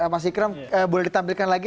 mas ikram boleh ditampilkan lagi